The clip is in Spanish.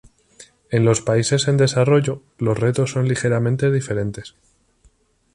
En los países en desarrollo los retos son ligeramente diferentes.